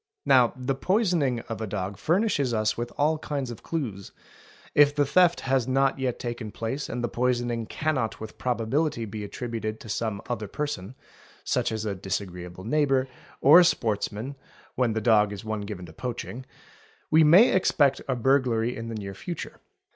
Now the poisoning of — a dog furnishes us with all kinds of clues; if the theft has not yet taken — place and the poisoning cannot with probability be attributed to some other person (such as a disagreeable neighbour, or a sportsman, when the dog is one given to poaching) we may expect a burglary in the near — future.